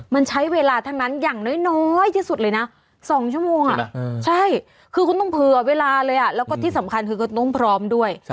มันใช้เวลาทั้งนั้นอย่างน้อยที่สุดเลยนะ๒ชั่วโมงใช่คือคุณต้องเผื่อเวลาเลยแล้วก็ที่สำคัญคือคุณต้องพร้อมด้วย